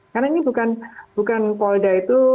karena ini bukan polda itu